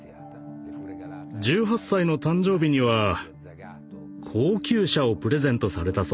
１８歳の誕生日には高級車をプレゼントされたそうです。